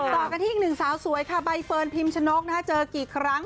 ต่อกันที่อีกหนึ่งสาวสวยค่ะใบเฟิร์นพิมชนกเจอกี่ครั้ง